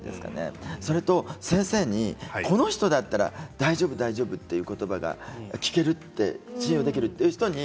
それと先生にこの人だったら大丈夫、大丈夫という言葉が聞ける信用できるという人に